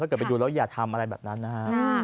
เกิดไปดูแล้วอย่าทำอะไรแบบนั้นนะฮะ